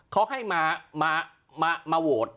เขาให้มาโหวต